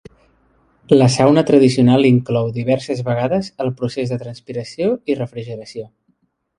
La sauna tradicional inclou diverses vegades el procés de transpiració i refrigeració.